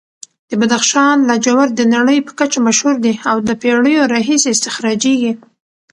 د بدخشان لاجورد د نړۍ په کچه مشهور دي او د پېړیو راهیسې استخراجېږي.